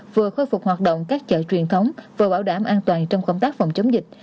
vừa khôi phục hoạt động các chợ truyền thống vừa bảo đảm an toàn trong công tác phòng chống dịch